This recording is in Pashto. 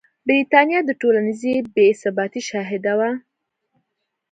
برېټانیا د ټولنیزې بې ثباتۍ شاهده وه.